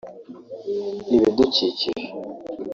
Ibidukikije